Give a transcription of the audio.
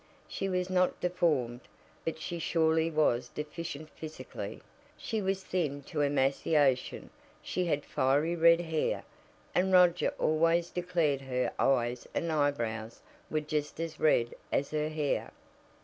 She was not deformed, but she surely was deficient physically. She was thin to emaciation, she had fiery red hair, and Roger always declared "her eyes and eyebrows were just as red as her hair."